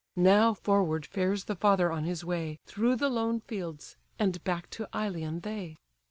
Now forward fares the father on his way, Through the lone fields, and back to Ilion they.